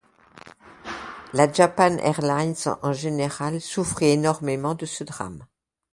La Japan Airlines en général, souffrit énormément de ce drame.